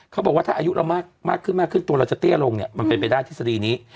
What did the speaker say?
เขาบอกว่าถ้าอายุเรามากขึ้นมากขึ้นตัวเราจะเตี้ยลงเนี่ยมันเป็นไปได้ทฤษฎีนี้